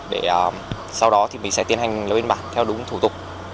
để sau đó thì mình sẽ tiến hành lấy biên bản theo đúng thủ tục